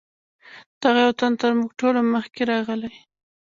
دغه یو تن تر موږ ټولو مخکې راغلی.